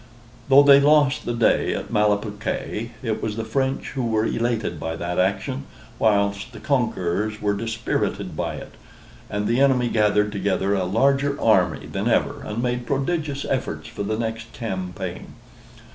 Though they lost the day at Malplaquet, it was the French who were elated by that action, whilst the conquerors were dispirited, by it; and the enemy gathered together a larger army than ever, and made prodigious efforts for the next campaign.